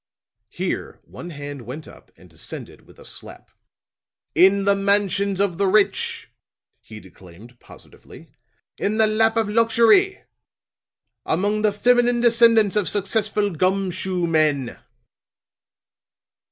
Here one hand went up and descended with a slap. "In the mansions of the rich," he declaimed positively; "in the lap of luxury. Among the feminine descendants of successful gum shoe men!"